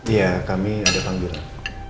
iya kami ada panggilan